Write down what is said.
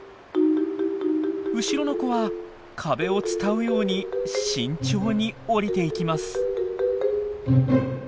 後ろの子は壁を伝うように慎重に下りていきます。